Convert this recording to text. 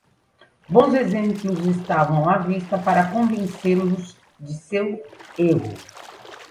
Bons exemplos estavam à vista para convencê-los de seu erro.